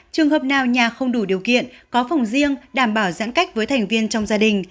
trường hợp nào nhà không đủ điều kiện có phòng riêng đảm bảo giãn cách với thành viên trong gia đình